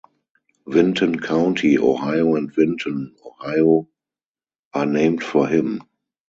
Vinton County, Ohio and Vinton, Ohio are named for him.